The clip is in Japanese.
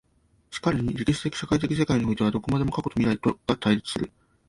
然るに歴史的社会的世界においてはどこまでも過去と未来とが対立する。